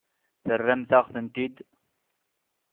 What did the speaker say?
Terramt-aɣ-tent-id?